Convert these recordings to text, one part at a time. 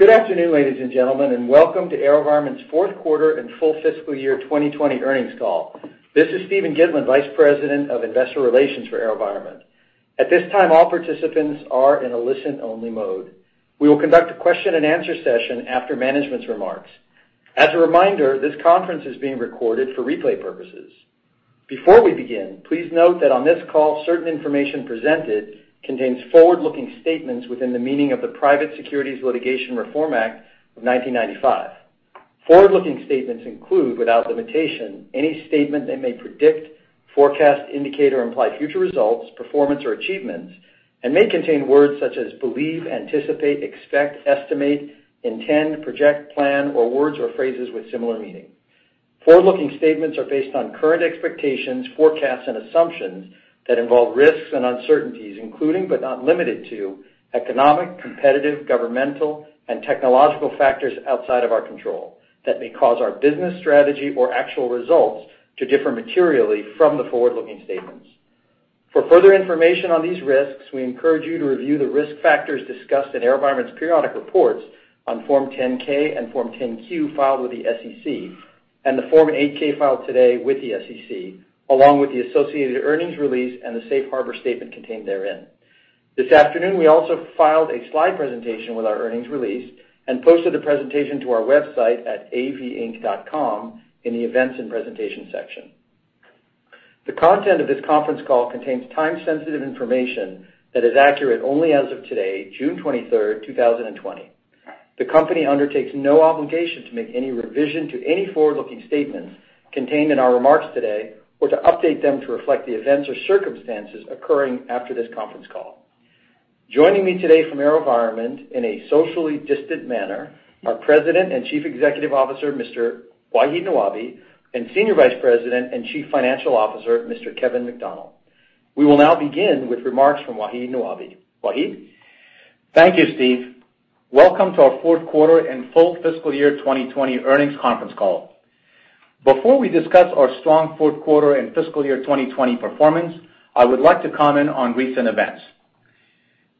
Good afternoon, ladies and gentlemen. Welcome to AeroVironment's fourth quarter and full fiscal year 2020 earnings call. This is Steven Gitlin, Vice President of Investor Relations for AeroVironment. At this time, all participants are in a listen-only mode. We will conduct a question and answer session after management's remarks. As a reminder, this conference is being recorded for replay purposes. Before we begin, please note that on this call, certain information presented contains forward-looking statements within the meaning of the Private Securities Litigation Reform Act of 1995. Forward-looking statements include, without limitation, any statement that may predict, forecast, indicate, or imply future results, performance, or achievements and may contain words such as "believe," "anticipate," "expect," "estimate," "intend," "project," "plan," or words or phrases with similar meaning. Forward-looking statements are based on current expectations, forecasts, and assumptions that involve risks and uncertainties, including, but not limited to, economic, competitive, governmental, and technological factors outside of our control that may cause our business strategy or actual results to differ materially from the forward-looking statements. For further information on these risks, we encourage you to review the risk factors discussed in AeroVironment's periodic reports on Form 10-K and Form 10-Q filed with the SEC and the Form 8-K filed today with the SEC, along with the associated earnings release and the safe harbor statement contained therein. This afternoon, we also filed a slide presentation with our earnings release and posted the presentation to our website at avinc.com in the Events and Presentation section. The content of this conference call contains time-sensitive information that is accurate only as of today, June 23rd, 2020. The company undertakes no obligation to make any revision to any forward-looking statements contained in our remarks today or to update them to reflect the events or circumstances occurring after this conference call. Joining me today from AeroVironment in a socially distant manner are President and Chief Executive Officer, Mr. Wahid Nawabi, and Senior Vice President and Chief Financial Officer, Mr. Kevin McDonnell. We will now begin with remarks from Wahid Nawabi. Wahid? Thank you, Steve. Welcome to our fourth quarter and full fiscal year 2020 earnings conference call. Before we discuss our strong fourth quarter and fiscal year 2020 performance, I would like to comment on recent events.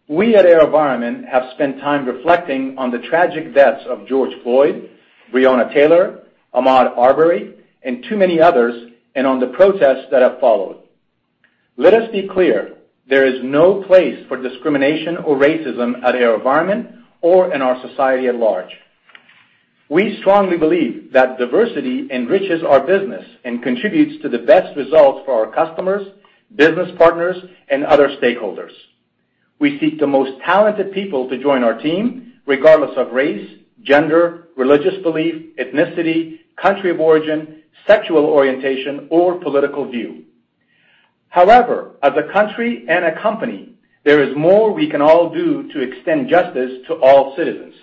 We at AeroVironment have spent time reflecting on the tragic deaths of George Floyd, Breonna Taylor, Ahmaud Arbery, and too many others, and on the protests that have followed. Let us be clear: There is no place for discrimination or racism at AeroVironment or in our society at large. We strongly believe that diversity enriches our business and contributes to the best results for our customers, business partners, and other stakeholders. We seek the most talented people to join our team, regardless of race, gender, religious belief, ethnicity, country of origin, sexual orientation, or political view. However, as a country and a company, there is more we can all do to extend justice to all citizens.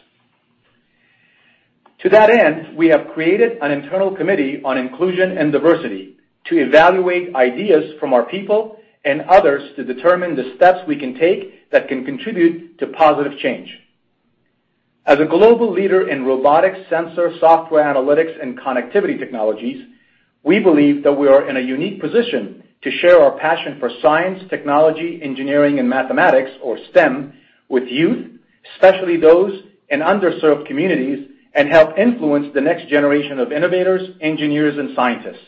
To that end, we have created an internal committee on inclusion and diversity to evaluate ideas from our people and others to determine the steps we can take that can contribute to positive change. As a global leader in robotics, sensor, software analytics, and connectivity technologies, we believe that we are in a unique position to share our passion for science, technology, engineering, and mathematics, or STEM, with youth, especially those in underserved communities, and help influence the next generation of innovators, engineers, and scientists.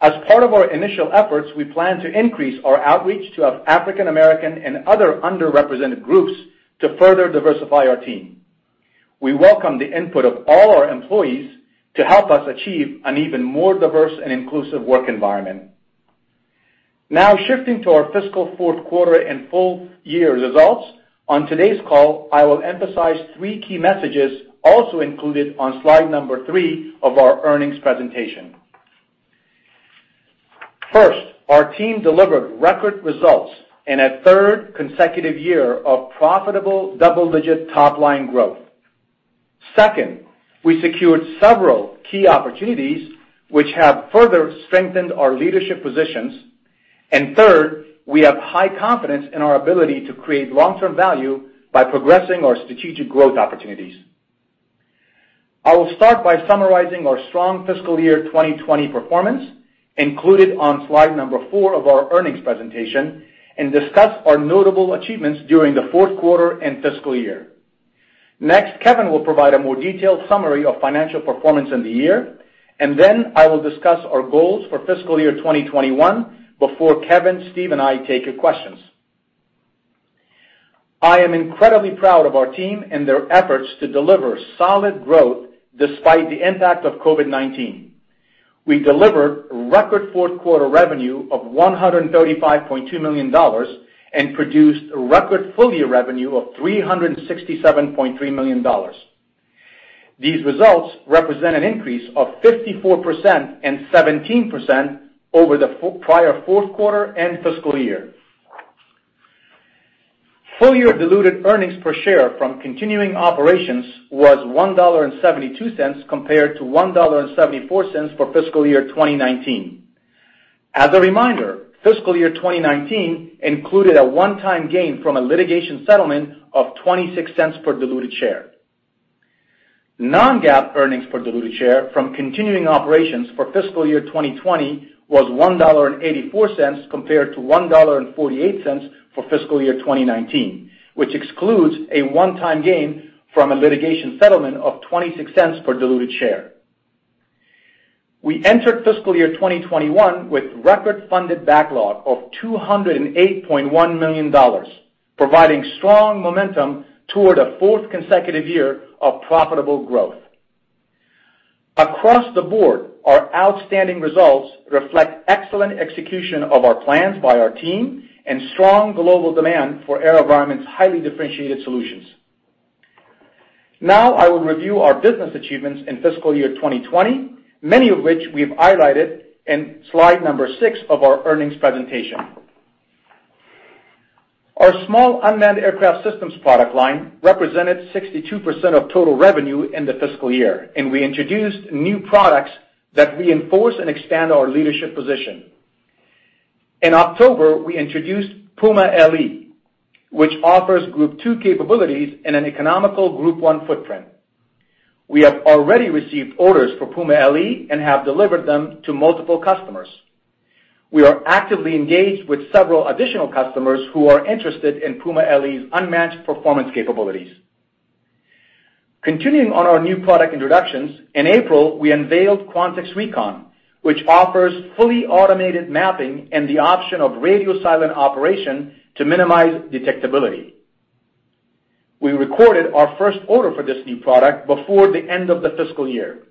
As part of our initial efforts, we plan to increase our outreach to African American and other underrepresented groups to further diversify our team. We welcome the input of all our employees to help us achieve an even more diverse and inclusive work environment. Now shifting to our fiscal fourth quarter and full year results. On today's call, I will emphasize three key messages also included on slide number three of our earnings presentation. First, our team delivered record results in a third consecutive year of profitable double-digit top-line growth. Second, we secured several key opportunities which have further strengthened our leadership positions. Third, we have high confidence in our ability to create long-term value by progressing our strategic growth opportunities. I will start by summarizing our strong fiscal year 2020 performance included on slide number four of our earnings presentation and discuss our notable achievements during the fourth quarter and fiscal year. Next, Kevin will provide a more detailed summary of financial performance in the year. Then I will discuss our goals for fiscal year 2021 before Kevin, Steve, and I take your questions. I am incredibly proud of our team and their efforts to deliver solid growth despite the impact of COVID-19. We delivered record fourth quarter revenue of $135.2 million and produced record full-year revenue of $367.3 million. These results represent an increase of 54% and 17% over the prior fourth quarter and fiscal year. Full year diluted earnings per share from continuing operations was $1.72 compared to $1.74 for fiscal year 2019. As a reminder, fiscal year 2019 included a one-time gain from a litigation settlement of $0.26 per diluted share. Non-GAAP earnings per diluted share from continuing operations for fiscal year 2020 was $1.84 compared to $1.48 for fiscal year 2019, which excludes a one-time gain from a litigation settlement of $0.26 per diluted share. We entered fiscal year 2021 with record-funded backlog of $208.1 million, providing strong momentum toward a fourth consecutive year of profitable growth. Across the board, our outstanding results reflect excellent execution of our plans by our team and strong global demand for AeroVironment's highly differentiated solutions. Now, I will review our business achievements in fiscal year 2020, many of which we've highlighted in slide number six of our earnings presentation. Our small unmanned aircraft systems product line represented 62% of total revenue in the fiscal year. We introduced new products that reinforce and expand our leadership position. In October, we introduced Puma LE, which offers Group 2 capabilities in an economical Group 1 footprint. We have already received orders for Puma LE and have delivered them to multiple customers. We are actively engaged with several additional customers who are interested in Puma LE's unmatched performance capabilities. Continuing on our new product introductions, in April, we unveiled Quantix Recon, which offers fully automated mapping and the option of radio silent operation to minimize detectability. We recorded our first order for this new product before the end of the fiscal year.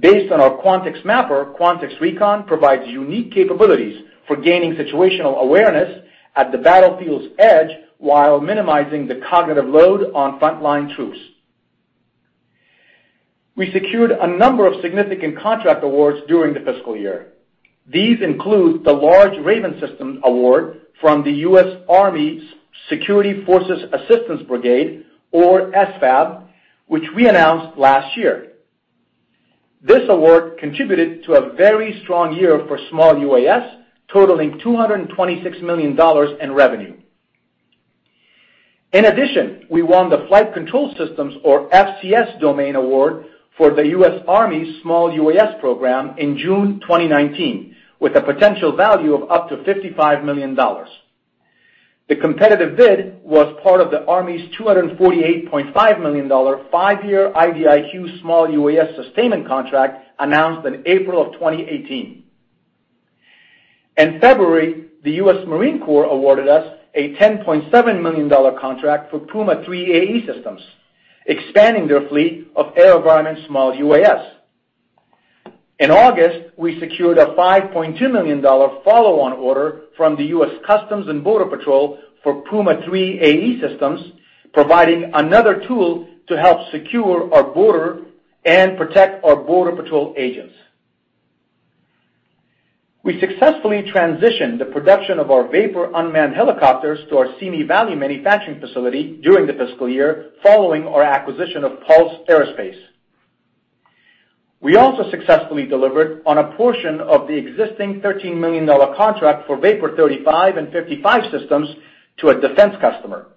Based on our Quantix Mapper, Quantix Recon provides unique capabilities for gaining situational awareness at the battlefield's edge while minimizing the cognitive load on frontline troops. We secured a number of significant contract awards during the fiscal year. These include the large Raven System award from the U.S. Army's Security Force Assistance Brigade, or SFAB, which we announced last year. This award contributed to a very strong year for small UAS, totaling $226 million in revenue. We won the Flight Control Systems, or FCS domain award for the U.S. Army's small UAS program in June 2019, with a potential value of up to $55 million. The competitive bid was part of the Army's $248.5 million 5-year IDIQ small UAS sustainment contract announced in April of 2018. The U.S. Marine Corps awarded us a $10.7 million contract for Puma 3 AE systems, expanding their fleet of AeroVironment small UAS. We secured a $5.2 million follow-on order from the U.S. Customs and Border Protection for Puma 3 AE systems, providing another tool to help secure our border and protect our border patrol agents. We successfully transitioned the production of our Vapor unmanned helicopters to our Simi Valley manufacturing facility during the fiscal year following our acquisition of Pulse Aerospace. We also successfully delivered on a portion of the existing $13 million contract for Vapor 35 and 55 systems to a defense customer.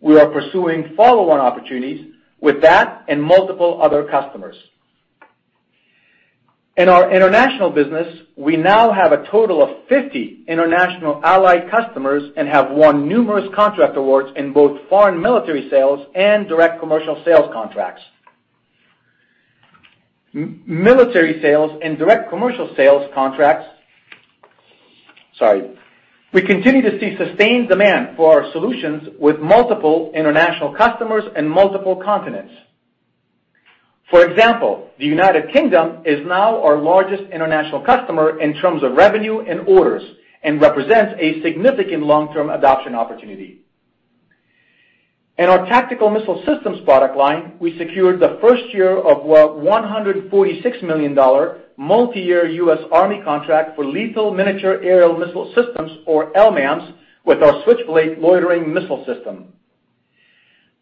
We are pursuing follow-on opportunities with that and multiple other customers. We now have a total of 50 international allied customers and have won numerous contract awards in both foreign military sales and direct commercial sales contracts. We continue to see sustained demand for our solutions with multiple international customers in multiple continents. The United Kingdom is now our largest international customer in terms of revenue and orders and represents a significant long-term adoption opportunity. We secured the first year of a $146 million multi-year U.S. Army contract for Lethal Miniature Aerial Missile Systems, or LMAMS, with our Switchblade loitering missile system.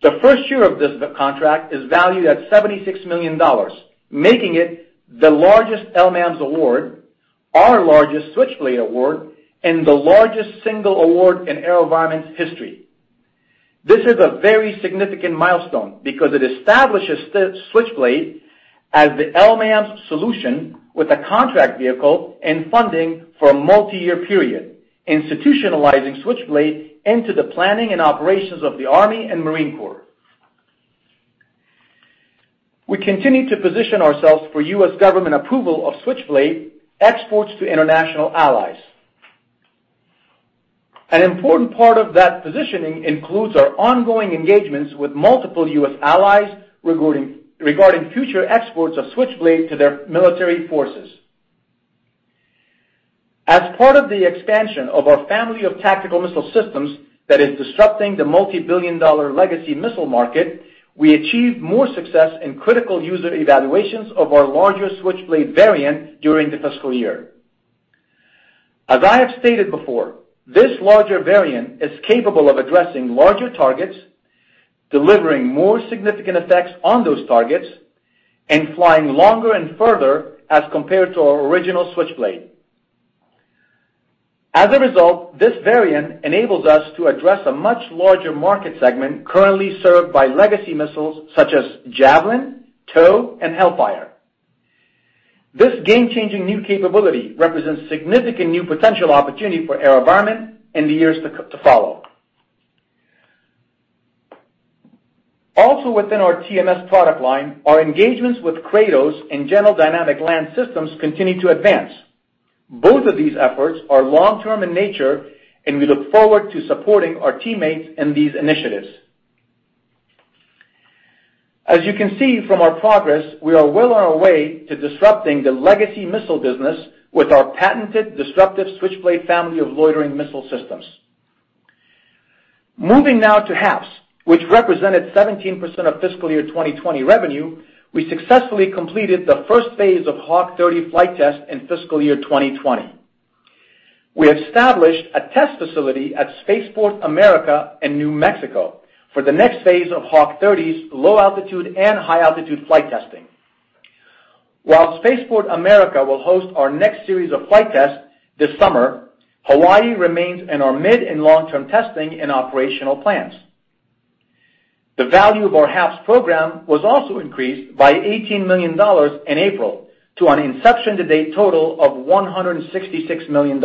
The first year of this contract is valued at $76 million, making it the largest LMAMS award, our largest Switchblade award, and the largest single award in AeroVironment's history. This is a very significant milestone because it establishes Switchblade as the LMAMS solution with a contract vehicle and funding for a multi-year period, institutionalizing Switchblade into the planning and operations of the Army and Marine Corps. We continue to position ourselves for U.S. government approval of Switchblade exports to international allies. An important part of that positioning includes our ongoing engagements with multiple U.S. allies regarding future exports of Switchblade to their military forces. We achieved more success in critical user evaluations of our larger Switchblade variant during the fiscal year. This larger variant is capable of addressing larger targets, delivering more significant effects on those targets, and flying longer and further as compared to our original Switchblade. As a result, this variant enables us to address a much larger market segment currently served by legacy missiles such as Javelin, TOW, and Hellfire. This game-changing new capability represents significant new potential opportunity for AeroVironment in the years to follow. Also within our TMS product line, our engagements with Kratos and General Dynamics Land Systems continue to advance. Both of these efforts are long-term in nature, and we look forward to supporting our teammates in these initiatives. As you can see from our progress, we are well on our way to disrupting the legacy missile business with our patented disruptive Switchblade family of loitering missile systems. Moving now to HAPS, which represented 17% of fiscal year 2020 revenue, we successfully completed the first phase of Hawk 30 flight test in fiscal year 2020. We established a test facility at Spaceport America in New Mexico for the next phase of Hawk 30's low-altitude and high-altitude flight testing. While Spaceport America will host our next series of flight tests this summer, Hawaii remains in our mid and long-term testing and operational plans. The value of our HAPS program was also increased by $18 million in April to an inception-to-date total of $166 million.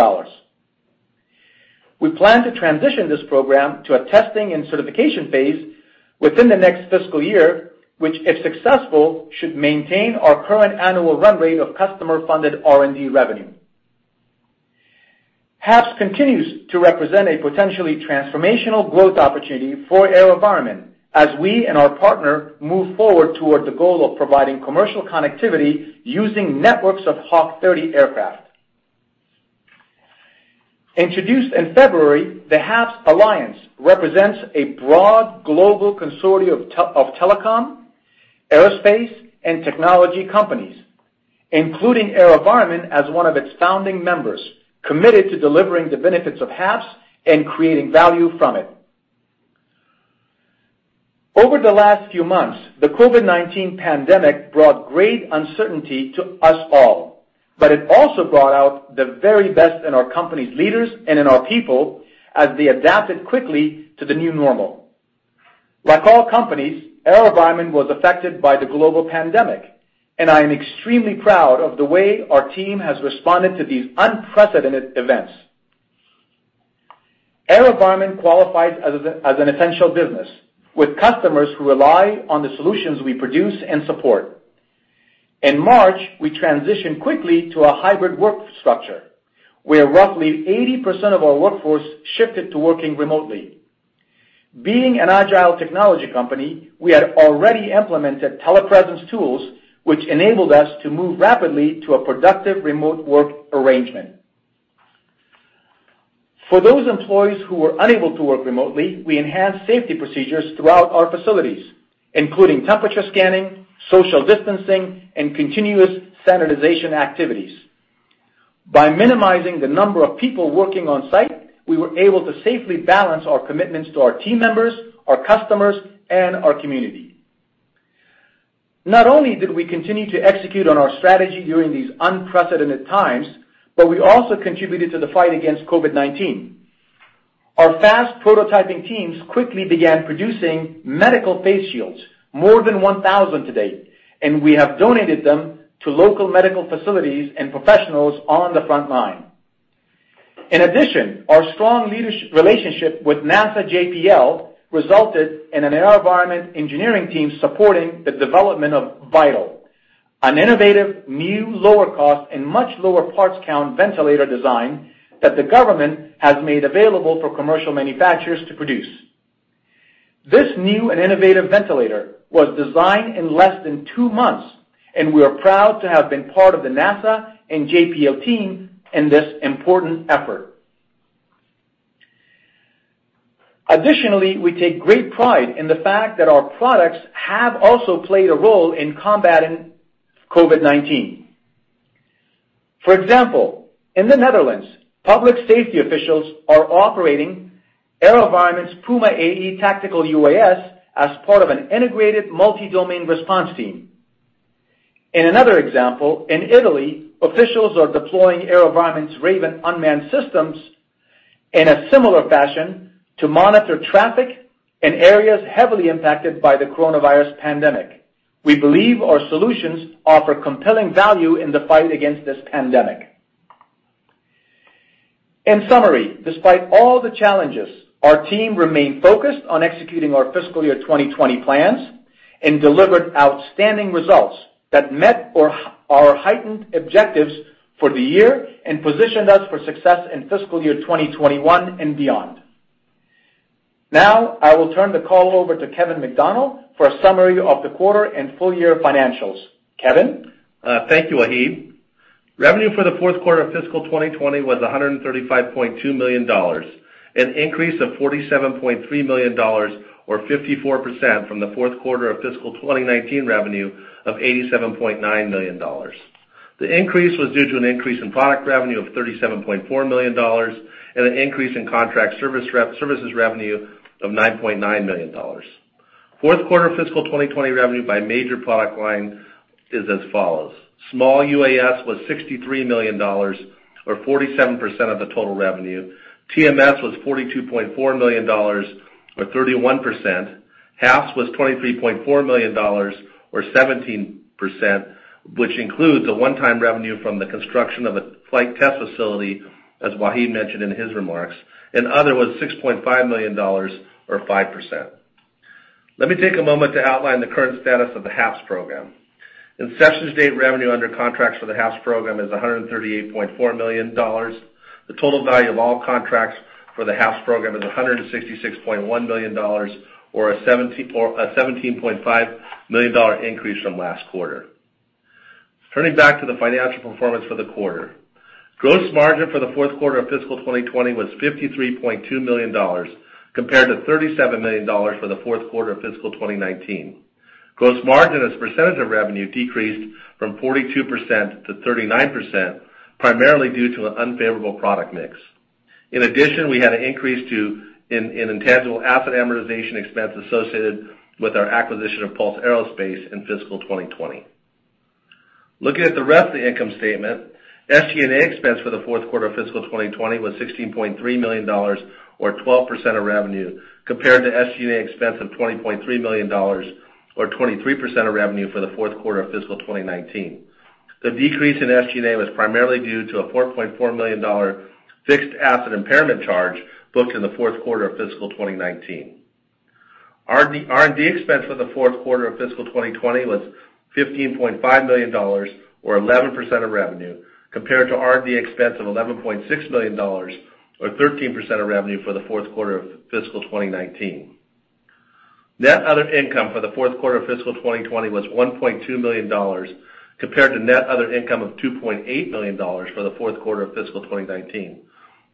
We plan to transition this program to a testing and certification phase within the next fiscal year, which, if successful, should maintain our current annual run rate of customer-funded R&D revenue. HAPS continues to represent a potentially transformational growth opportunity for AeroVironment as we and our partner move forward toward the goal of providing commercial connectivity using networks of Hawk 30 aircraft. Introduced in February, the HAPS Alliance represents a broad global consortium of telecom, aerospace, and technology companies, including AeroVironment as one of its founding members, committed to delivering the benefits of HAPS and creating value from it. Over the last few months, the COVID-19 pandemic brought great uncertainty to us all, but it also brought out the very best in our company's leaders and in our people as they adapted quickly to the new normal. Like all companies, AeroVironment was affected by the global pandemic, and I am extremely proud of the way our team has responded to these unprecedented events. AeroVironment qualifies as an essential business with customers who rely on the solutions we produce and support. In March, we transitioned quickly to a hybrid work structure, where roughly 80% of our workforce shifted to working remotely. Being an agile technology company, we had already implemented telepresence tools, which enabled us to move rapidly to a productive remote work arrangement. For those employees who were unable to work remotely, we enhanced safety procedures throughout our facilities, including temperature scanning, social distancing, and continuous sanitization activities. By minimizing the number of people working on-site, we were able to safely balance our commitments to our team members, our customers, and our community. Not only did we continue to execute on our strategy during these unprecedented times, but we also contributed to the fight against COVID-19. Our fast prototyping teams quickly began producing medical face shields, more than 1,000 to date, and we have donated them to local medical facilities and professionals on the front line. In addition, our strong relationship with NASA JPL resulted in an AeroVironment engineering team supporting the development of VITAL, an innovative, new, lower-cost, and much lower parts count ventilator design that the government has made available for commercial manufacturers to produce. This new and innovative ventilator was designed in less than two months, and we are proud to have been part of the NASA and JPL team in this important effort. Additionally, we take great pride in the fact that our products have also played a role in combating COVID-19. For example, in the Netherlands, public safety officials are operating AeroVironment's Puma AE tactical UAS as part of an integrated multi-domain response team. In another example, in Italy, officials are deploying AeroVironment's Raven unmanned systems in a similar fashion to monitor traffic in areas heavily impacted by the coronavirus pandemic. We believe our solutions offer compelling value in the fight against this pandemic. In summary, despite all the challenges, our team remained focused on executing our fiscal year 2020 plans and delivered outstanding results that met our heightened objectives for the year and positioned us for success in fiscal year 2021 and beyond. Now, I will turn the call over to Kevin McDonnell for a summary of the quarter and full-year financials. Kevin? Thank you, Wahid. Revenue for the fourth quarter of fiscal 2020 was $135.2 million, an increase of $47.3 million or 54% from the fourth quarter of fiscal 2019 revenue of $87.9 million. The increase was due to an increase in product revenue of $37.4 million and an increase in contract services revenue of $9.9 million. Fourth quarter fiscal 2020 revenue by major product line is as follows: small UAS was $63 million, or 47% of the total revenue. TMS was $42.4 million, or 31%. HAPS was $23.4 million, or 17%, which includes a one-time revenue from the construction of a flight test facility, as Wahid mentioned in his remarks, and other was $6.5 million, or 5%. Let me take a moment to outline the current status of the HAPS program. Inception to date, revenue under contracts for the HAPS program is $138.4 million. The total value of all contracts for the HAPS program is $166.1 million, or a $17.5 million increase from last quarter. Turning back to the financial performance for the quarter. Gross margin for the fourth quarter of fiscal 2020 was $53.2 million, compared to $37 million for the fourth quarter of fiscal 2019. Gross margin as a percentage of revenue decreased from 42% to 39%, primarily due to an unfavorable product mix. In addition, we had an increase in intangible asset amortization expense associated with our acquisition of Pulse Aerospace in fiscal 2020. Looking at the rest of the income statement, SG&A expense for the fourth quarter of fiscal 2020 was $16.3 million, or 12% of revenue, compared to SG&A expense of $20.3 million, or 23% of revenue, for the fourth quarter of fiscal 2019. The decrease in SG&A was primarily due to a $4.4 million fixed asset impairment charge booked in the fourth quarter of fiscal 2019. R&D expense for the fourth quarter of fiscal 2020 was $15.5 million, or 11% of revenue, compared to R&D expense of $11.6 million, or 13% of revenue, for the fourth quarter of fiscal 2019. Net other income for the fourth quarter of fiscal 2020 was $1.2 million, compared to net other income of $2.8 million for the fourth quarter of fiscal 2019.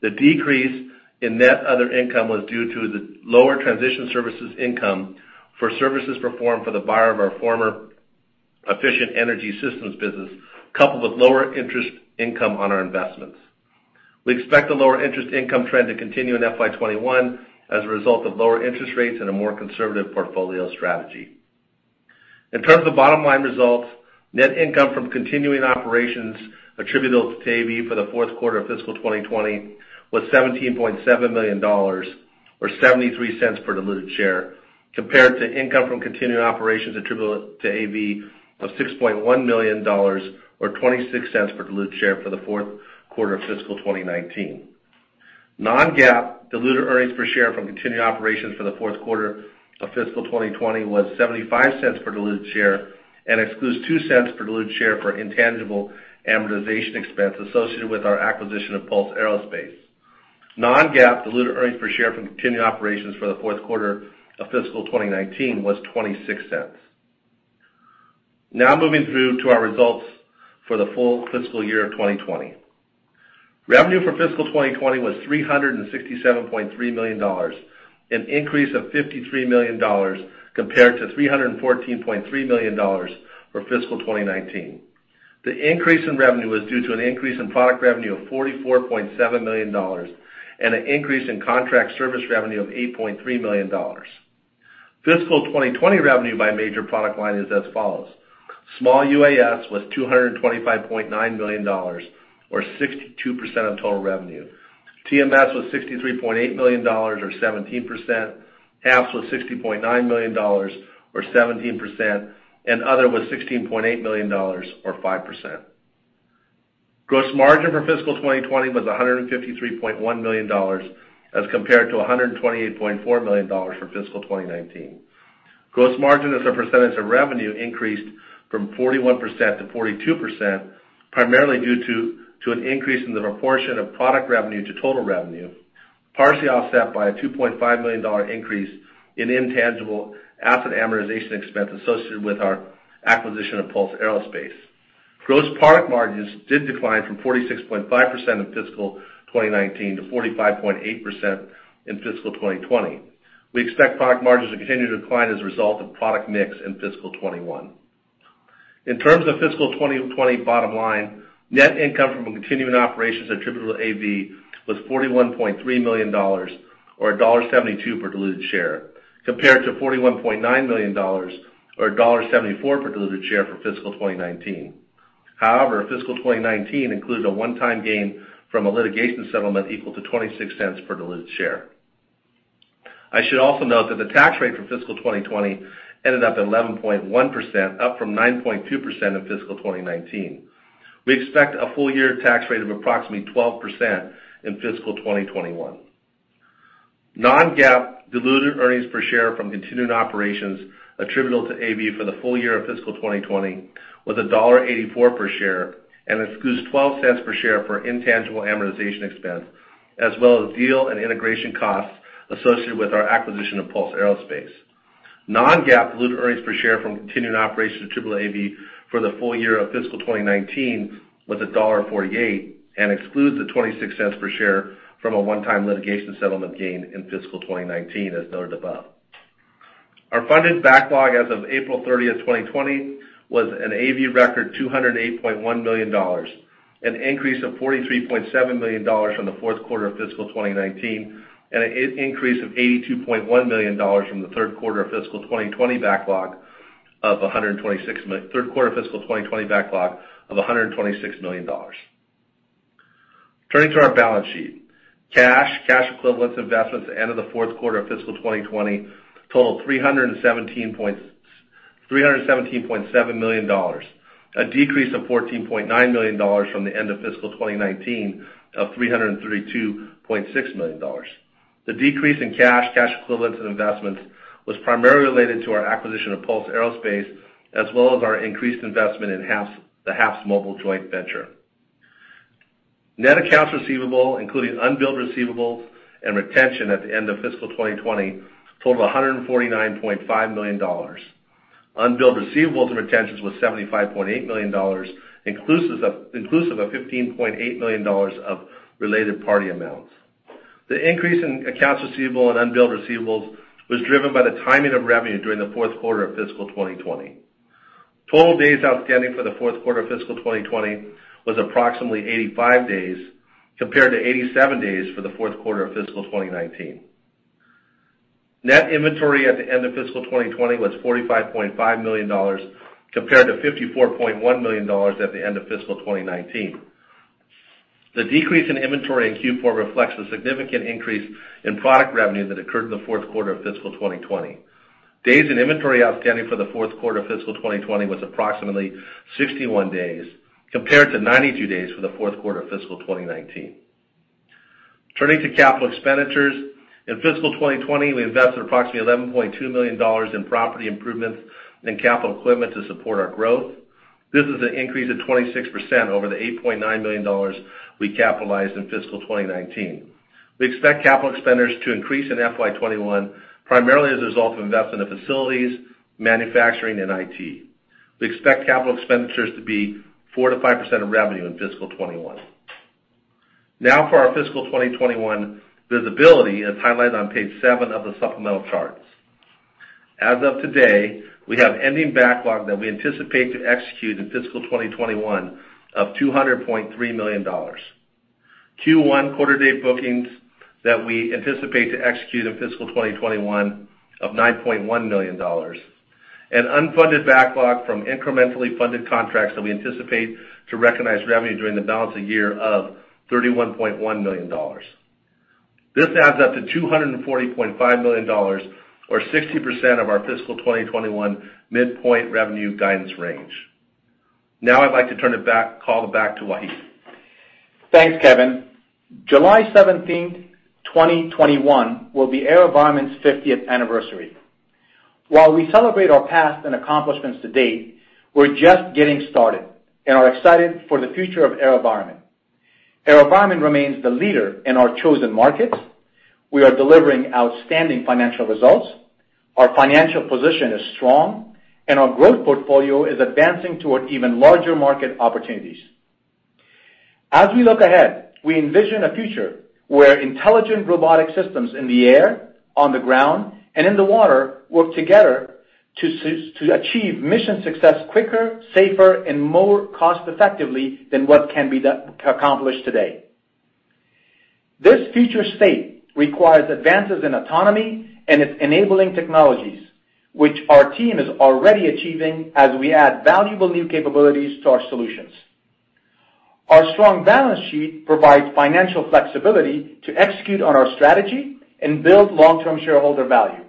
The decrease in net other income was due to the lower transition services income for services performed for the buyer of our former Efficient Energy Systems business, coupled with lower interest income on our investments. We expect the lower interest income trend to continue in FY 2021 as a result of lower interest rates and a more conservative portfolio strategy. In terms of bottom-line results, net income from continuing operations attributable to AVAV for the fourth quarter of fiscal 2020 was $17.7 million, or $0.73 per diluted share, compared to income from continuing operations attributable to AVAV of $6.1 million, or $0.26 per diluted share for the fourth quarter of fiscal 2019. Non-GAAP diluted earnings per share from continuing operations for the fourth quarter of fiscal 2020 was $0.75 per diluted share and excludes $0.02 per diluted share for intangible amortization expense associated with our acquisition of Pulse Aerospace. Non-GAAP diluted earnings per share from continuing operations for the fourth quarter of fiscal 2019 was $0.26. Moving through to our results for the full fiscal year of 2020. Revenue for fiscal 2020 was $367.3 million, an increase of $53 million compared to $314.3 million for fiscal 2019. The increase in revenue was due to an increase in product revenue of $44.7 million and an increase in contract service revenue of $8.3 million. Fiscal 2020 revenue by major product line is as follows: small UAS was $225.9 million, or 62% of total revenue. TMS was $63.8 million, or 17%. HAPS was $60.9 million, or 17%, and other was $16.8 million, or 5%. Gross margin for fiscal 2020 was $153.1 million as compared to $128.4 million for fiscal 2019. Gross margin as a percentage of revenue increased from 41%-42%, primarily due to an increase in the proportion of product revenue to total revenue, partially offset by a $2.5 million increase in intangible asset amortization expense associated with our acquisition of Pulse Aerospace. Gross product margins did decline from 46.5% in fiscal 2019 to 45.8% in fiscal 2020. We expect product margins to continue to decline as a result of product mix in fiscal 2021. In terms of fiscal 2020 bottom line, net income from continuing operations attributable to AVAV was $41.3 million, or $1.72 per diluted share, compared to $41.9 million or $1.74 per diluted share for fiscal 2019. However, fiscal 2019 includes a one-time gain from a litigation settlement equal to $0.26 per diluted share. I should also note that the tax rate for fiscal 2020 ended up at 11.1%, up from 9.2% in fiscal 2019. We expect a full year tax rate of approximately 12% in fiscal 2021. Non-GAAP diluted earnings per share from continuing operations attributable to AVAV for the full year of fiscal 2020 was $1.84 per share, and excludes $0.12 per share for intangible amortization expense, as well as deal and integration costs associated with our acquisition of Pulse Aerospace. Non-GAAP diluted earnings per share from continuing operations attributable to AVAV for the full year of fiscal 2019 was $1.48 and excludes the $0.26 per share from a one-time litigation settlement gain in fiscal 2019, as noted above. Our funded backlog as of April 30, 2020 was an AVAV record $208.1 million. Increase of $43.7 million from the fourth quarter of fiscal 2019, an increase of $82.1 million from the third quarter fiscal 2020 backlog of $126 million. Turning to our balance sheet. Cash, cash equivalents, investments at the end of the fourth quarter of fiscal 2020 totaled $317.7 million, a decrease of $14.9 million from the end of fiscal 2019 of $332.6 million. The decrease in cash equivalents and investments was primarily related to our acquisition of Pulse Aerospace, as well as our increased investment in the HAPSMobile joint venture. Net accounts receivable, including unbilled receivables and retention at the end of fiscal 2020, totaled $149.5 million. Unbilled receivables and retentions was $75.8 million, inclusive of $15.8 million of related party amounts. The increase in accounts receivable and unbilled receivables was driven by the timing of revenue during the fourth quarter of fiscal 2020. Total days outstanding for the fourth quarter of fiscal 2020 was approximately 85 days compared to 87 days for the fourth quarter of fiscal 2019. Net inventory at the end of fiscal 2020 was $45.5 million compared to $54.1 million at the end of fiscal 2019. The decrease in inventory in Q4 reflects the significant increase in product revenue that occurred in the fourth quarter of fiscal 2020. Days in inventory outstanding for the fourth quarter of fiscal 2020 was approximately 61 days compared to 92 days for the fourth quarter of fiscal 2019. Turning to capital expenditures. In fiscal 2020, we invested approximately $11.2 million in property improvements and capital equipment to support our growth. This is an increase of 26% over the $8.9 million we capitalized in fiscal 2019. We expect capital expenditures to increase in FY 2021, primarily as a result of investment in facilities, manufacturing and IT. We expect capital expenditures to be 4%-5% of revenue in fiscal 2021. Now for our fiscal 2021 visibility, as highlighted on page seven of the supplemental charts. As of today, we have ending backlog that we anticipate to execute in fiscal 2021 of $200.3 million. Q1 quarter-to-date bookings that we anticipate to execute in fiscal 2021 of $9.1 million. Unfunded backlog from incrementally funded contracts that we anticipate to recognize revenue during the balance of year of $31.1 million. This adds up to $240.5 million, or 60% of our fiscal 2021 midpoint revenue guidance range. Now I'd like to turn the call back to Wahid. Thanks, Kevin. July 17th, 2021 will be AeroVironment's 50th anniversary. While we celebrate our past and accomplishments to date, we're just getting started and are excited for the future of AeroVironment. AeroVironment remains the leader in our chosen markets. We are delivering outstanding financial results. Our financial position is strong, and our growth portfolio is advancing toward even larger market opportunities. As we look ahead, we envision a future where intelligent robotic systems in the air, on the ground, and in the water work together to achieve mission success quicker, safer, and more cost-effectively than what can be accomplished today. This future state requires advances in autonomy and its enabling technologies, which our team is already achieving as we add valuable new capabilities to our solutions. Our strong balance sheet provides financial flexibility to execute on our strategy and build long-term shareholder value.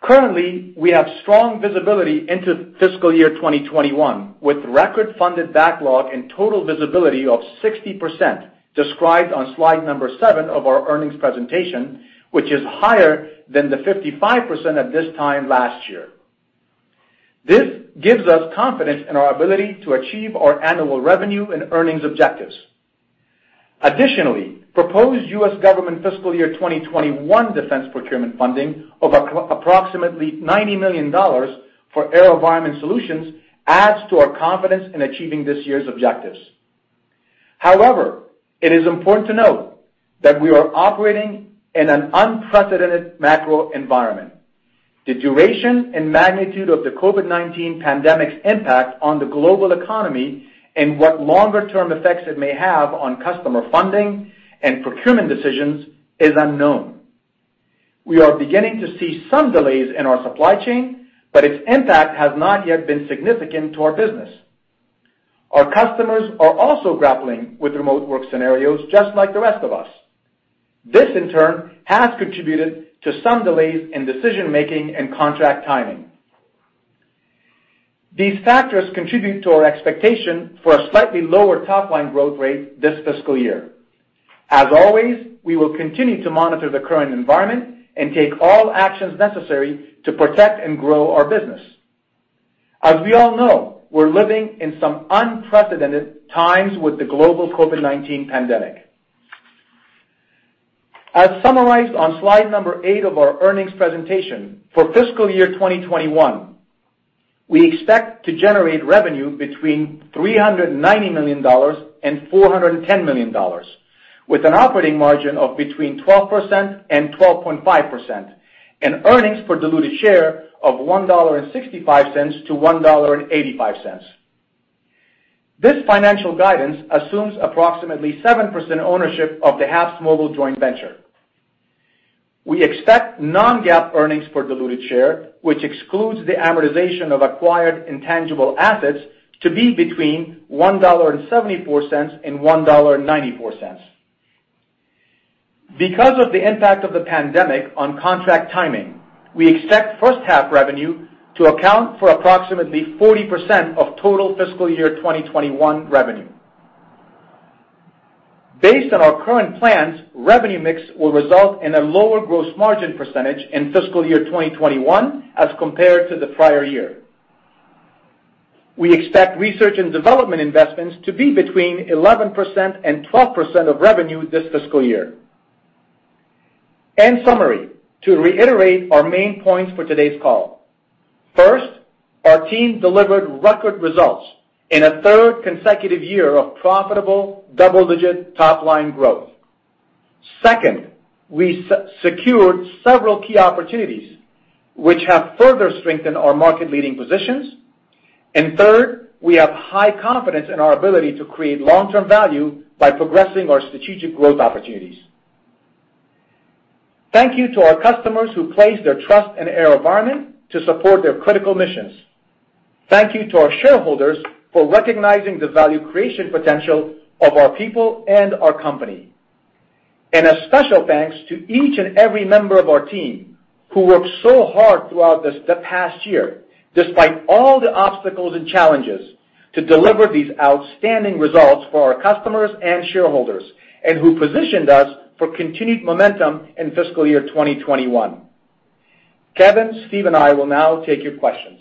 Currently, we have strong visibility into FY 2021, with record-funded backlog and total visibility of 60%, described on slide number seven of our earnings presentation, which is higher than the 55% at this time last year. This gives us confidence in our ability to achieve our annual revenue and earnings objectives. Proposed U.S. Government FY 2021 defense procurement funding of approximately $90 million for AeroVironment solutions adds to our confidence in achieving this year's objectives. It is important to note that we are operating in an unprecedented macro environment. The duration and magnitude of the COVID-19 pandemic's impact on the global economy and what longer-term effects it may have on customer funding and procurement decisions is unknown. We are beginning to see some delays in our supply chain, but its impact has not yet been significant to our business. Our customers are also grappling with remote work scenarios just like the rest of us. This, in turn, has contributed to some delays in decision-making and contract timing. These factors contribute to our expectation for a slightly lower top-line growth rate this FY. As always, we will continue to monitor the current environment and take all actions necessary to protect and grow our business. As we all know, we're living in some unprecedented times with the global COVID-19 pandemic. As summarized on slide number eight of our earnings presentation, for FY 2021, we expect to generate revenue between $390 million-$410 million. With an operating margin of between 12%-12.5%, and earnings per diluted share of $1.65-$1.85. This financial guidance assumes approximately 7% ownership of the HAPSMobile joint venture. We expect non-GAAP earnings per diluted share, which excludes the amortization of acquired intangible assets, to be between $1.74-$1.94. Because of the impact of the pandemic on contract timing, we expect first half revenue to account for approximately 40% of total FY 2021 revenue. Based on our current plans, revenue mix will result in a lower gross margin percentage in FY 2021 as compared to the prior year. We expect research and development investments to be between 11%-12% of revenue this FY. In summary, to reiterate our main points for today's call. First, our team delivered record results in a third consecutive year of profitable double-digit top-line growth. Second, we secured several key opportunities which have further strengthened our market-leading positions. Third, we have high confidence in our ability to create long-term value by progressing our strategic growth opportunities. Thank you to our customers who place their trust in AeroVironment to support their critical missions. Thank you to our shareholders for recognizing the value creation potential of our people and our company. A special thanks to each and every member of our team who worked so hard throughout the past year, despite all the obstacles and challenges, to deliver these outstanding results for our customers and shareholders, and who positioned us for continued momentum in fiscal year 2021. Kevin, Steve, and I will now take your questions.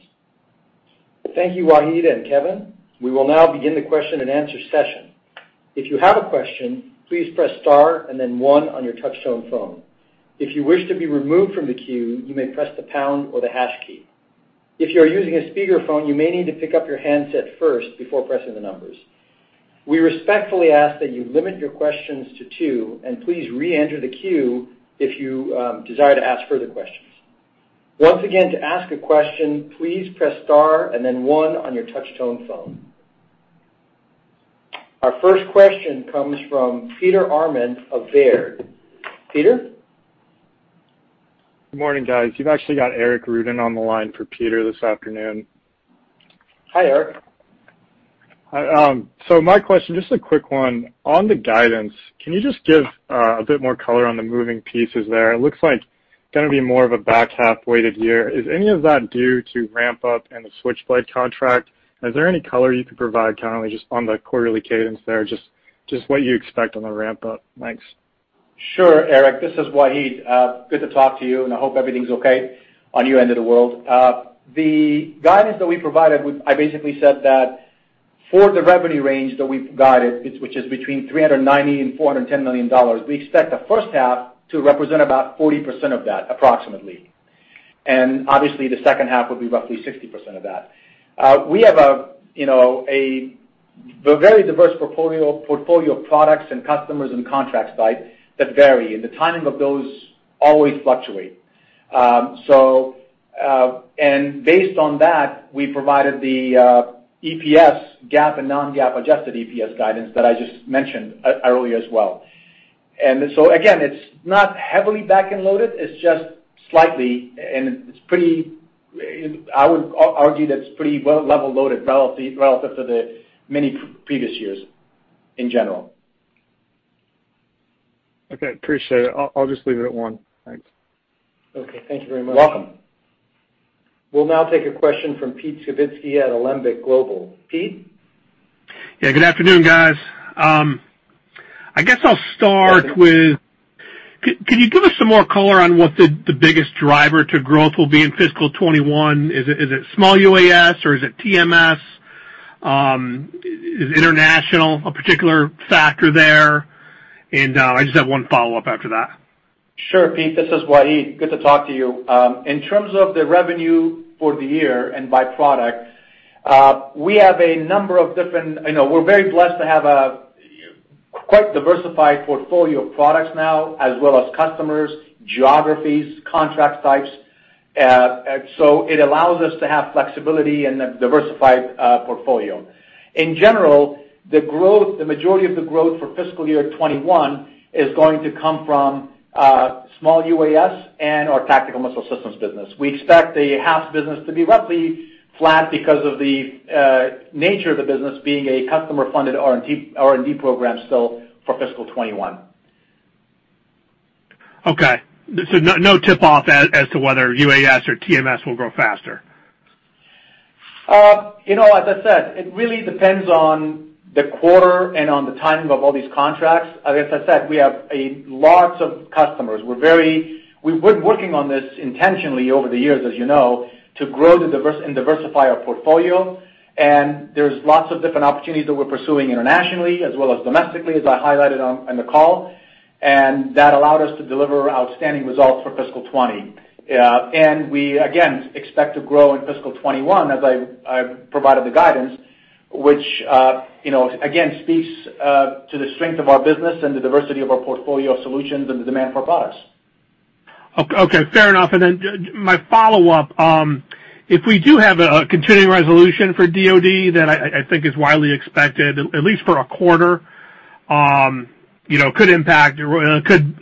Thank you, Wahid and Kevin. We will now begin the question and answer session. If you have a question, please press star and then one on your touch-tone phone. If you wish to be removed from the queue, you may press the pound or the hash key. If you are using a speakerphone, you may need to pick up your handset first before pressing the numbers. We respectfully ask that you limit your questions to two, and please re-enter the queue if you desire to ask further questions. Once again, to ask a question, please press star and then one on your touch-tone phone. Our first question comes from Peter Arment of Baird. Peter? Good morning, guys. You've actually got Eric Rudin on the line for Peter this afternoon. Hi, Eric. Hi. My question, just a quick one. On the guidance, can you just give a bit more color on the moving pieces there? It looks like going to be more of a back-half-weighted year. Is any of that due to ramp-up in the Switchblade contract? Is there any color you can provide, kind of just on the quarterly cadence there, just what you expect on the ramp-up? Thanks. Sure, Eric. This is Wahid. Good to talk to you. I hope everything's okay on your end of the world. The guidance that we provided, I basically said that for the revenue range that we've guided, which is between $390 million and $410 million, we expect the first half to represent about 40% of that, approximately. Obviously, the second half will be roughly 60% of that. We have a very diverse portfolio of products and customers and contract site that vary. The timing of those always fluctuate. Based on that, we provided the EPS GAAP and non-GAAP adjusted EPS guidance that I just mentioned earlier as well. Again, it's not heavily back-end-loaded. It's just slightly, and I would argue that's pretty well level-loaded relative to the many previous years in general. Appreciate it. I'll just leave it at one. Thanks. Thank you very much. Welcome. We'll now take a question from Pete Skibitski at Alembic Global. Pete? Yeah. Good afternoon, guys. I guess I'll start with. Good afternoon. Can you give us some more color on what the biggest driver to growth will be in FY 2021? Is it small UAS or is it TMS? Is international a particular factor there? I just have one follow-up after that. Sure, Pete, this is Wahid. Good to talk to you. In terms of the revenue for the year and by product, we're very blessed to have a quite diversified portfolio of products now as well as customers, geographies, contract types. It allows us to have flexibility in the diversified portfolio. In general, the majority of the growth for fiscal year 2021 is going to come from small UAS and our Tactical Missile Systems business. We expect the HAPS business to be roughly flat because of the nature of the business being a customer-funded R&D program still for fiscal 2021. Okay. No tip-off as to whether UAS or TMS will grow faster? As I said, it really depends on the quarter and on the timing of all these contracts. As I said, we have lots of customers. We've been working on this intentionally over the years, as you know, to grow and diversify our portfolio. There's lots of different opportunities that we're pursuing internationally as well as domestically, as I highlighted on the call. That allowed us to deliver outstanding results for fiscal 2020. We, again, expect to grow in fiscal 2021, as I provided the guidance, which again, speaks to the strength of our business and the diversity of our portfolio solutions and the demand for our products. Okay. Fair enough. My follow-up, if we do have a continuing resolution for DoD, that I think is widely expected, at least for a quarter, could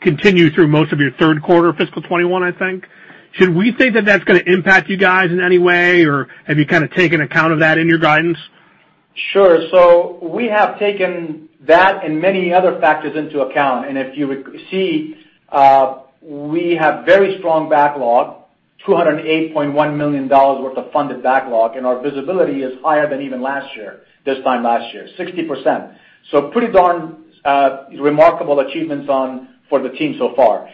continue through most of your third quarter fiscal 2021, I think. Should we think that that's going to impact you guys in any way, or have you kind of taken account of that in your guidance? Sure. We have taken that and many other factors into account. If you would see, we have very strong backlog, $208.1 million worth of funded backlog, and our visibility is higher than even last year, this time last year, 60%. Pretty darn remarkable achievements for the team so far.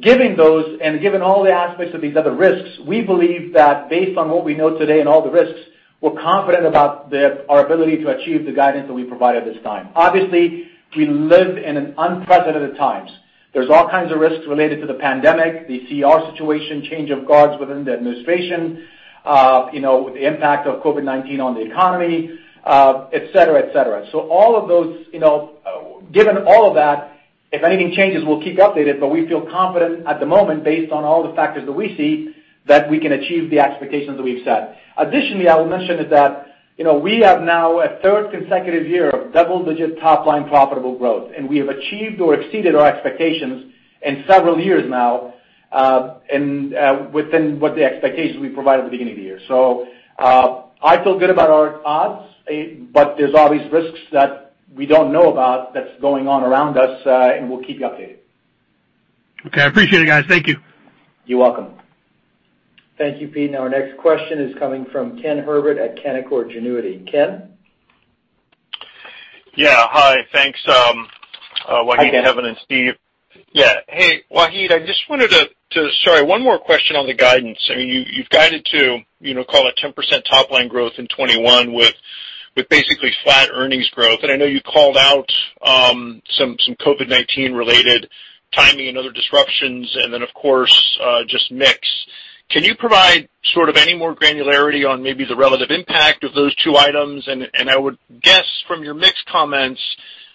Given those and given all the aspects of these other risks, we believe that based on what we know today and all the risks, we're confident about our ability to achieve the guidance that we provided this time. Obviously, we live in unprecedented times. There's all kinds of risks related to the pandemic, the CR situation, change of guards within the administration, the impact of COVID-19 on the economy, et cetera. Given all of that, if anything changes, we'll keep updated, but we feel confident at the moment based on all the factors that we see, that we can achieve the expectations that we've set. Additionally, I will mention is that, we have now a third consecutive year of double-digit top-line profitable growth, and we have achieved or exceeded our expectations in several years now, and within what the expectations we provided at the beginning of the year. I feel good about our odds, but there's always risks that we don't know about that's going on around us, and we'll keep you updated. Okay. I appreciate it, guys. Thank you. You're welcome. Thank you, Pete. Our next question is coming from Ken Herbert at Canaccord Genuity. Ken? Yeah. Hi. Thanks, Wahid- Hi, Ken. Kevin, and Steve. Yeah. Hey, Wahid, Sorry, one more question on the guidance. You've guided to call it 10% top-line growth in 2021 with basically flat earnings growth. I know you called out some COVID-19 related timing and other disruptions, and then, of course, just mix. Can you provide sort of any more granularity on maybe the relative impact of those two items? I would guess from your mix comments,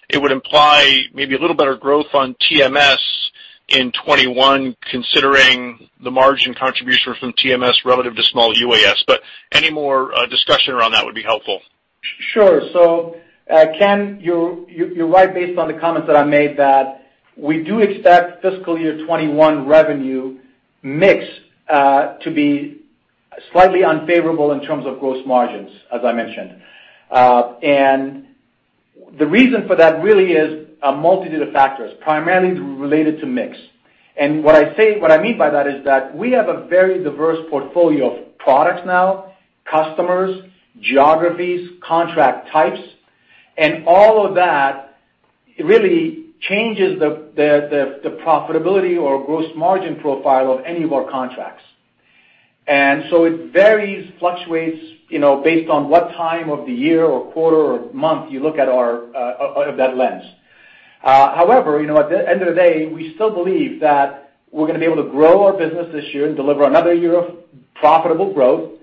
it would imply maybe a little better growth on TMS in 2021 considering the margin contribution from TMS relative to small UAS. Any more discussion around that would be helpful. Sure. Ken, you're right based on the comments that I made that we do expect fiscal year 2021 revenue mix to be slightly unfavorable in terms of gross margins, as I mentioned. The reason for that really is a multitude of factors, primarily related to mix. What I mean by that is that we have a very diverse portfolio of products now, customers, geographies, contract types, and all of that really changes the profitability or gross margin profile of any of our contracts. It varies, fluctuates, based on what time of the year or quarter or month you look out of that lens. However, at the end of the day, we still believe that we're going to be able to grow our business this year and deliver another year of profitable growth.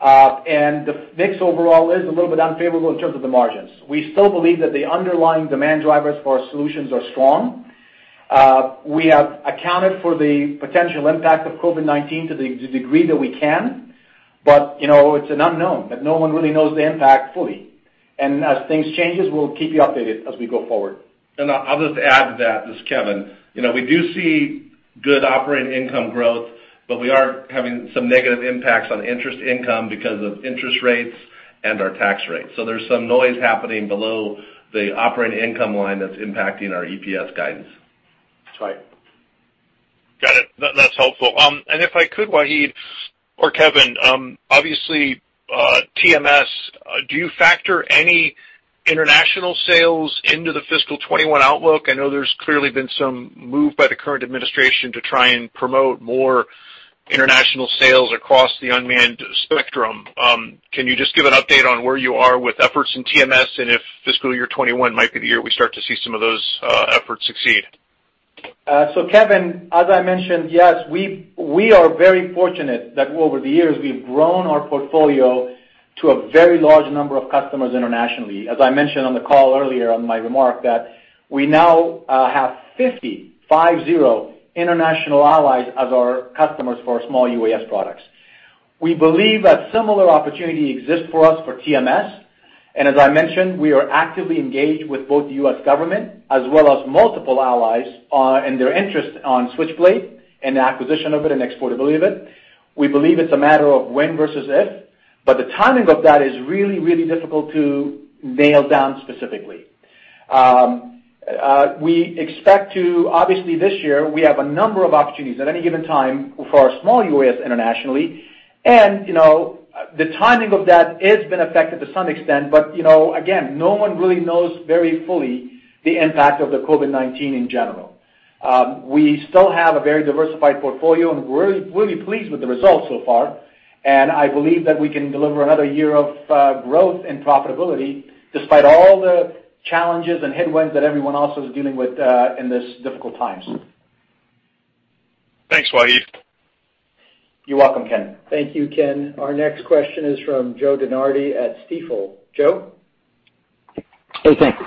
The mix overall is a little bit unfavorable in terms of the margins. We still believe that the underlying demand drivers for our solutions are strong. We have accounted for the potential impact of COVID-19 to the degree that we can. It's an unknown, that no one really knows the impact fully. As things changes, we'll keep you updated as we go forward. I'll just add to that. This is Kevin. We do see good operating income growth, we are having some negative impacts on interest income because of interest rates and our tax rates. There's some noise happening below the operating income line that's impacting our EPS guidance. That's right. Got it. That's helpful. If I could, Wahid or Kevin, obviously, TMS, do you factor any international sales into the fiscal year 2021 outlook? I know there's clearly been some move by the current administration to try and promote more international sales across the unmanned spectrum. Can you just give an update on where you are with efforts in TMS and if fiscal year 2021 might be the year we start to see some of those efforts succeed? Kevin, as I mentioned, yes, we are very fortunate that over the years, we've grown our portfolio to a very large number of customers internationally. As I mentioned on the call earlier on my remark that we now have 50 international allies as our customers for our small UAS products. We believe that similar opportunity exists for us for TMS. As I mentioned, we are actively engaged with both the U.S. government as well as multiple allies in their interest on Switchblade and the acquisition of it and exportability of it. We believe it's a matter of when versus if, the timing of that is really difficult to nail down specifically. Obviously, this year, we have a number of opportunities at any given time for our small UAS internationally, and the timing of that has been affected to some extent. Again, no one really knows very fully the impact of the COVID-19 in general. We still have a very diversified portfolio, we're really pleased with the results so far, I believe that we can deliver another year of growth and profitability despite all the challenges and headwinds that everyone else is dealing with in this difficult times. Thanks, Wahid. You're welcome, Ken. Thank you, Ken. Our next question is from Joe DeNardi at Stifel. Joe? Hey, thanks.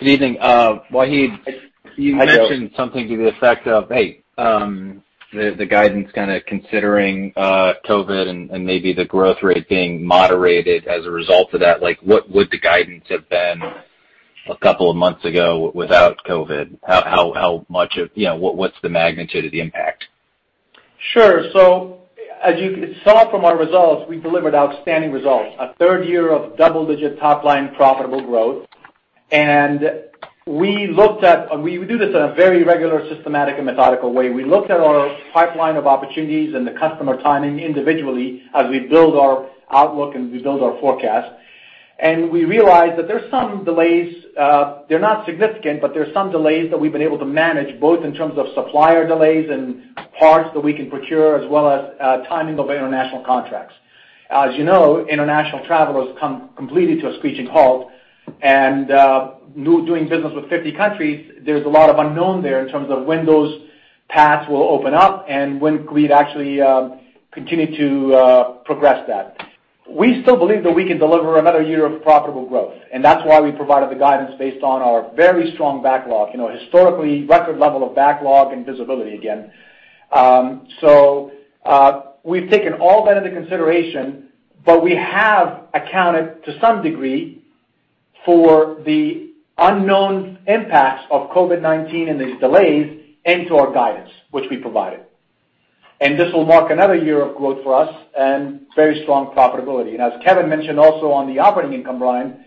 Good evening. Wahid. Hi, Joe. you mentioned something to the effect of, hey, the guidance kind of considering COVID and maybe the growth rate being moderated as a result of that. What would the guidance have been a couple of months ago without COVID? What's the magnitude of the impact? Sure. As you saw from our results, we delivered outstanding results. A third year of double-digit top-line profitable growth. We do this in a very regular, systematic, and methodical way. We looked at our pipeline of opportunities and the customer timing individually as we build our outlook and we build our forecast, we realized that there's some delays, they're not significant, but there's some delays that we've been able to manage, both in terms of supplier delays and parts that we can procure, as well as timing of international contracts. As you know, international travel has come completely to a screeching halt, and doing business with 50 countries, there's a lot of unknown there in terms of when those paths will open up and when we'd actually continue to progress that. We still believe that we can deliver another year of profitable growth. That's why we provided the guidance based on our very strong backlog. Historically record level of backlog and visibility again. We've taken all that into consideration, but we have accounted to some degree for the unknown impacts of COVID-19 and these delays into our guidance, which we provided. This will mark another year of growth for us and very strong profitability. As Kevin mentioned also on the operating income line,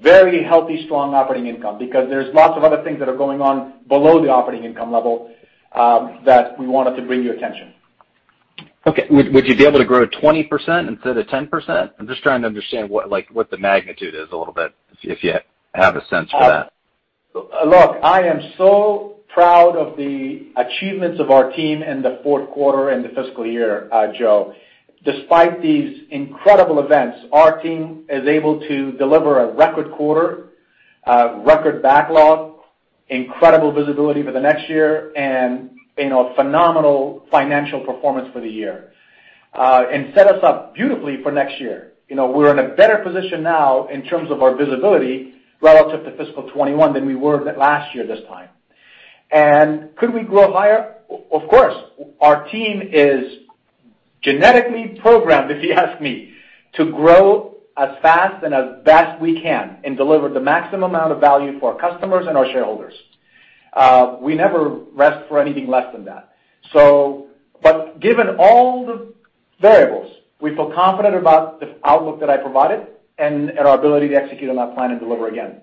very healthy, strong operating income, because there's lots of other things that are going on below the operating income level that we wanted to bring to your attention. Okay. Would you be able to grow 20% instead of 10%? I'm just trying to understand what the magnitude is a little bit, if you have a sense for that. Look, I am so proud of the achievements of our team in the fourth quarter and the fiscal year, Joe. Despite these incredible events, our team is able to deliver a record quarter, record backlog, incredible visibility for the next year, and a phenomenal financial performance for the year, and set us up beautifully for next year. We are in a better position now in terms of our visibility relative to fiscal 2021 than we were last year this time. Could we grow higher? Of course. Our team is genetically programmed, if you ask me, to grow as fast and as best we can, and deliver the maximum amount of value for our customers and our shareholders. We never rest for anything less than that. Given all the variables, we feel confident about the outlook that I provided and our ability to execute on that plan and deliver again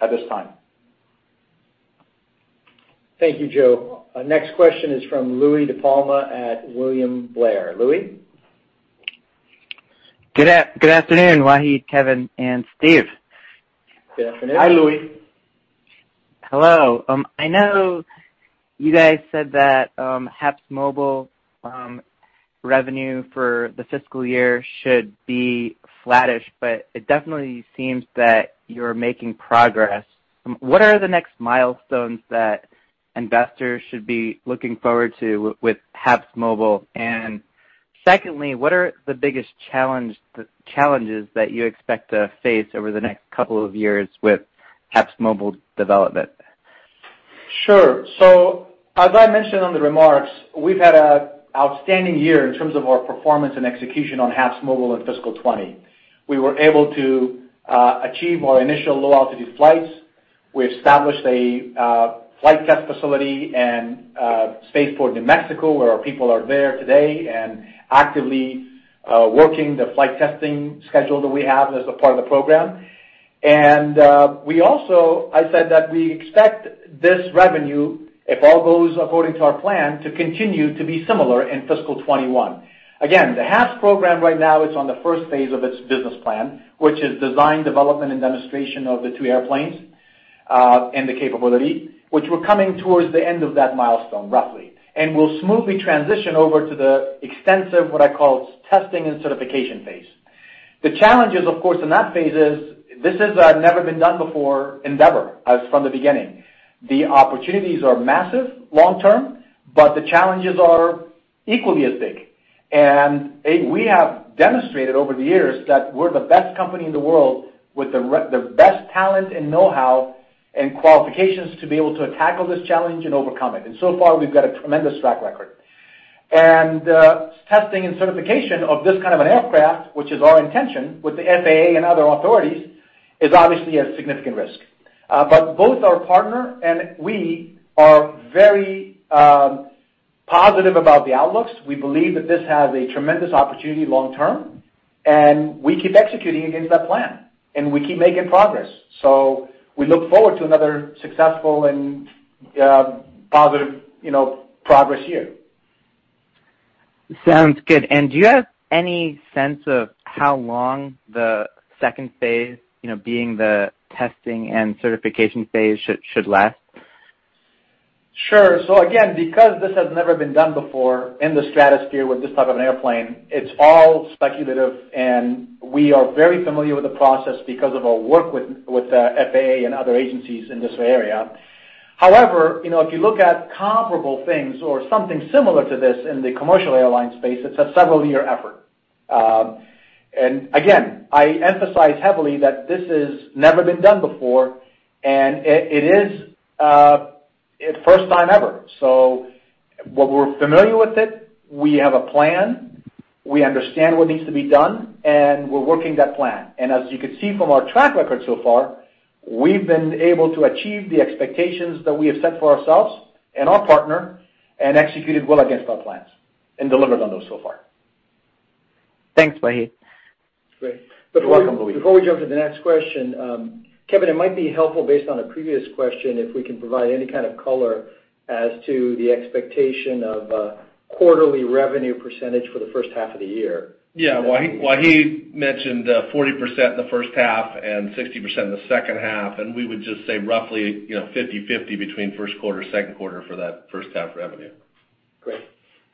at this time. Thank you, Joe. Our next question is from Louie DiPalma at William Blair. Louie? Good afternoon, Wahid, Kevin, and Steve. Good afternoon. Hi, Louie. Hello. I know you guys said that HAPSMobile revenue for the fiscal year should be flattish, but it definitely seems that you're making progress. What are the next milestones that investors should be looking forward to with HAPSMobile? Secondly, what are the biggest challenges that you expect to face over the next couple of years with HAPSMobile development? Sure. As I mentioned on the remarks, we've had an outstanding year in terms of our performance and execution on HAPSMobile in FY 2020. We were able to achieve our initial low altitude flights. We established a flight test facility in Spaceport New Mexico, where our people are there today and actively working the flight testing schedule that we have as a part of the program. I said that we expect this revenue, if all goes according to our plan, to continue to be similar in FY 2021. The HAPS program right now is on the first phase of its business plan, which is design, development, and demonstration of the two airplanes, and the capability, which we're coming towards the end of that milestone, roughly, and will smoothly transition over to the extensive, what I call testing and certification phase. The challenges, of course, in that phase is this is a never-been-done-before endeavor, as from the beginning. The opportunities are massive long-term, but the challenges are equally as big. We have demonstrated over the years that we're the best company in the world with the best talent and know-how and qualifications to be able to tackle this challenge and overcome it. So far, we've got a tremendous track record. Testing and certification of this kind of an aircraft, which is our intention with the FAA and other authorities, is obviously a significant risk. Both our partner and we are very positive about the outlooks. We believe that this has a tremendous opportunity long-term, and we keep executing against that plan, and we keep making progress. We look forward to another successful and positive progress year. Sounds good. Do you have any sense of how long the phase 2, being the testing and certification phase, should last? Sure. Again, because this has never been done before in the stratosphere with this type of an airplane, it's all speculative, and we are very familiar with the process because of our work with the FAA and other agencies in this area. However, if you look at comparable things or something similar to this in the commercial airline space, it's a several-year effort. Again, I emphasize heavily that this has never been done before, and it is first time ever. While we're familiar with it, we have a plan, we understand what needs to be done, and we're working that plan. As you can see from our track record so far, we've been able to achieve the expectations that we have set for ourselves and our partner, and executed well against our plans, and delivered on those so far. Thanks, Wahid. You're welcome, Louie. Before we jump to the next question, Kevin, it might be helpful based on a previous question if we can provide any kind of color as to the expectation of quarterly revenue percentage for the first half of the year. Yeah. Wahid mentioned 40% in the first half and 60% in the second half. We would just say roughly 50/50 between first quarter, second quarter for that first half revenue. Great.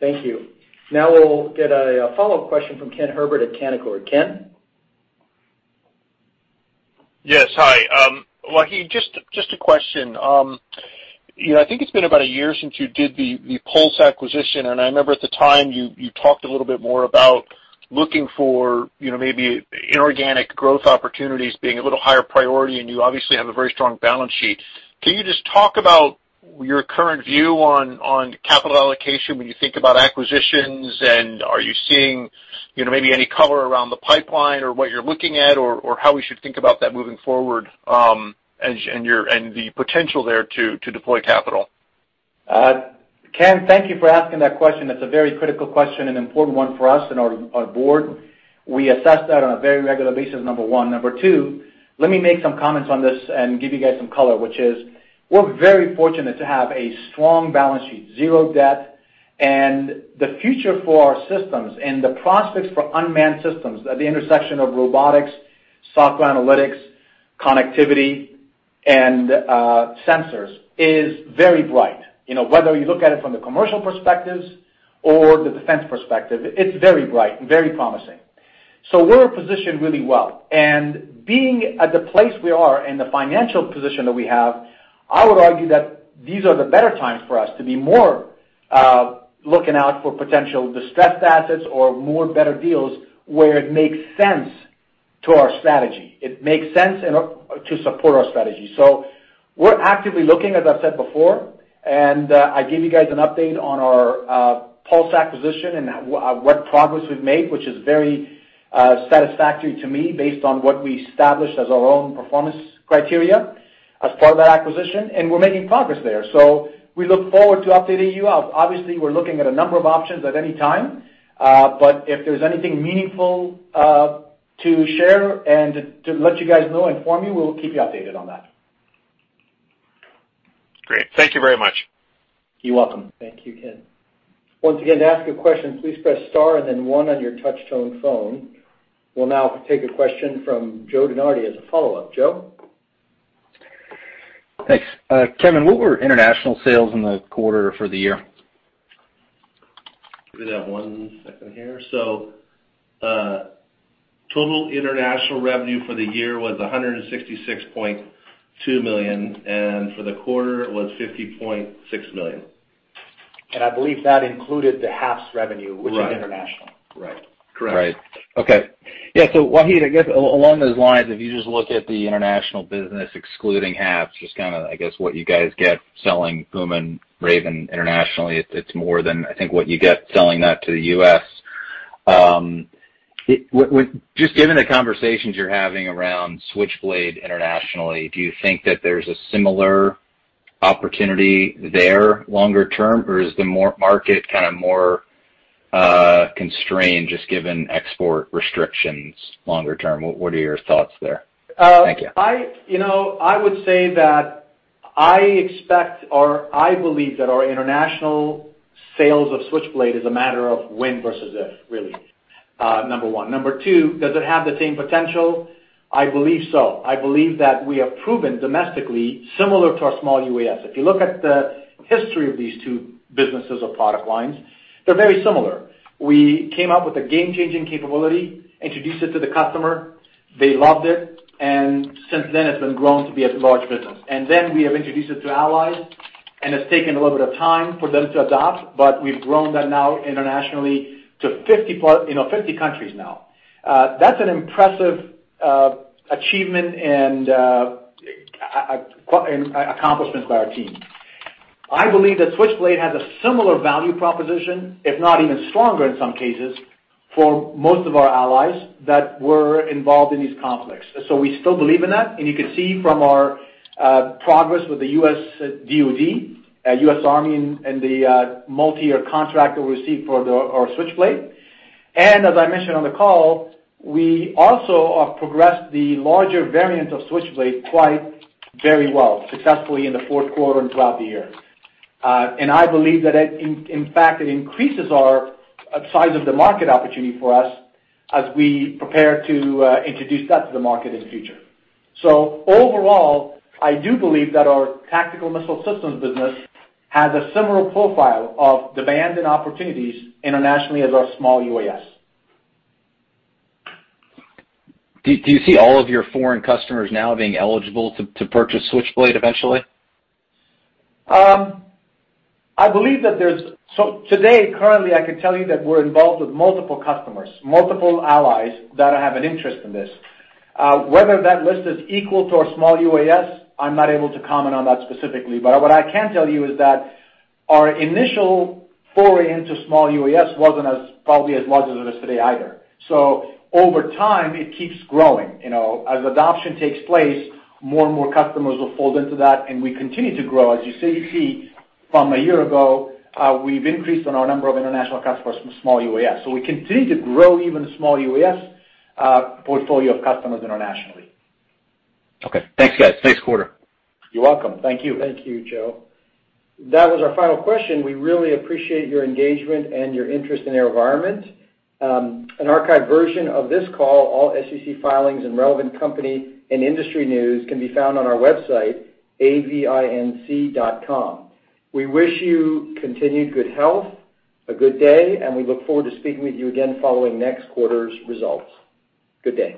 Thank you. We'll get a follow-up question from Ken Herbert at Canaccord. Ken? Yes. Hi. Wahid, just a question. I think it's been about a year since you did the Pulse acquisition, and I remember at the time you talked a little bit more about looking for maybe inorganic growth opportunities being a little higher priority, and you obviously have a very strong balance sheet. Can you just talk about your current view on capital allocation when you think about acquisitions, and are you seeing maybe any color around the pipeline or what you're looking at or how we should think about that moving forward, and the potential there to deploy capital? Ken, thank you for asking that question. That's a very critical question and important one for us and our board. We assess that on a very regular basis, number one. Number two, let me make some comments on this and give you guys some color, which is, we're very fortunate to have a strong balance sheet, zero debt, and the future for our systems and the prospects for unmanned systems at the intersection of robotics, software analytics, connectivity, and sensors is very bright. Whether you look at it from the commercial perspectives or the defense perspective, it's very bright and very promising. We're positioned really well. Being at the place we are and the financial position that we have, I would argue that these are the better times for us to be more looking out for potential distressed assets or more better deals where it makes sense to our strategy. It makes sense to support our strategy. We're actively looking, as I've said before, and I gave you guys an update on our Pulse acquisition and what progress we've made, which is very satisfactory to me based on what we established as our own performance criteria as part of that acquisition, and we're making progress there. We look forward to updating you. Obviously, we're looking at a number of options at any time. If there's anything meaningful to share and to let you guys know, inform you, we'll keep you updated on that. Great. Thank you very much. You're welcome. Thank you, Ken. Once again, to ask a question, please press star and then one on your touch-tone phone. We will now take a question from Joe DeNardi as a follow-up. Joe? Thanks. Kevin, what were international sales in the quarter for the year? Give me that one second here. Total international revenue for the year was $166.2 million, and for the quarter it was $50.6 million. I believe that included the HAPS revenue. Right Which is international. Right. Correct. Right. Okay. Yeah. Wahid, I guess along those lines, if you just look at the international business excluding HAPS, just kind of I guess what you guys get selling Puma and Raven internationally, it's more than I think what you get selling that to the U.S. Just given the conversations you're having around Switchblade internationally, do you think that there's a similar opportunity there longer term, or is the market kind of more constrained just given export restrictions longer term? What are your thoughts there? Thank you. I would say that I expect or I believe that our international sales of Switchblade is a matter of when versus if, really. Number one. Number two, does it have the same potential? I believe so. I believe that we have proven domestically similar to our small UAS. If you look at the history of these two businesses or product lines, they're very similar. We came up with a game-changing capability, introduced it to the customer, they loved it, and since then it's been grown to be a large business. Then we have introduced it to allies, and it's taken a little bit of time for them to adopt, but we've grown that now internationally to 50 countries now. That's an impressive achievement and accomplishment by our team. I believe that Switchblade has a similar value proposition, if not even stronger in some cases, for most of our allies that were involved in these conflicts. We still believe in that, and you can see from our progress with the U.S. DoD, U.S. Army and the multi-year contract that we received for our Switchblade. As I mentioned on the call, we also have progressed the larger variant of Switchblade quite very well successfully in the fourth quarter and throughout the year. I believe that in fact, it increases our size of the market opportunity for us as we prepare to introduce that to the market in the future. Overall, I do believe that our tactical missile systems business has a similar profile of demand and opportunities internationally as our small UAS. Do you see all of your foreign customers now being eligible to purchase Switchblade eventually? Today, currently, I can tell you that we're involved with multiple customers, multiple allies that have an interest in this. Whether that list is equal to our small UAS, I'm not able to comment on that specifically. What I can tell you is that our initial foray into small UAS wasn't as, probably as large as it is today either. Over time, it keeps growing. As adoption takes place, more and more customers will fold into that and we continue to grow. As you see from a year ago, we've increased on our number of international customers from small UAS. We continue to grow even the small UAS portfolio of customers internationally. Okay. Thanks, guys. Thanks, quarter. You're welcome. Thank you. Thank you, Joe. That was our final question. We really appreciate your engagement and your interest in AeroVironment. An archived version of this call, all SEC filings and relevant company and industry news can be found on our website, avinc.com. We wish you continued good health, a good day, and we look forward to speaking with you again following next quarter's results. Good day